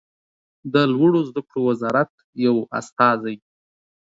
د لوړو زده کړو وزارت یو استازی